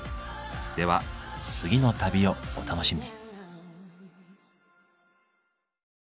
では次の旅をお楽しみに。